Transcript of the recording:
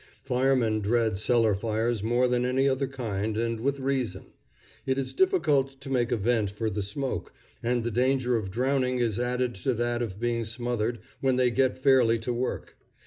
Firemen dread cellar fires more than any other kind, and with reason. It is difficult to make a vent for the smoke, and the danger of drowning is added to that of being smothered when they get fairly to work.